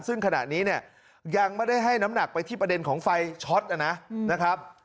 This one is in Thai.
ซึ่งขณะนี้เนี่ยยังไม่ได้ให้น้ำหนักไปที่ประเด็นของไฟช็อตนะครับ